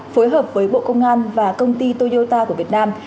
phối hợp với bộ công an và công ty toyota của việt nam